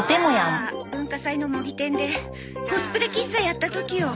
ああ文化祭の模擬店でコスプレ喫茶やった時よ。